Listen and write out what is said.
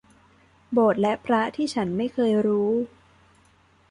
โบสถ์และพระที่ฉันไม่เคยรู้